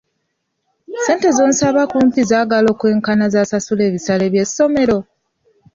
Ssente z'onsaba kumpi zaagala kwenkana z’asaasula ebisale by'essomero!